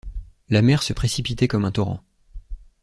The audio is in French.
La mer se précipitait comme un torrent.